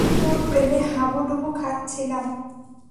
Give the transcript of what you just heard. ওর প্রেমে হাবুডুবু খাচ্ছিলাম।